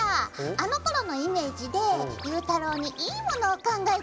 あのころのイメージでゆうたろうにいいものを考えちゃった。